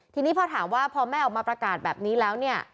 ทีนี้พอถามว่าพอแม่ออกมาประกาศแบบนี้แล้วเนี่ย